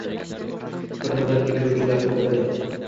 Bir muddatga kiruvchilar to’xtagan